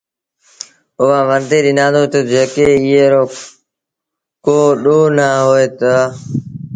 اُئآݩٚ ورنديٚ ڏنآندونٚ تا، ”جيڪڏهينٚ ايٚئي رو ڪو ڏوه نآ هوئي هآ تا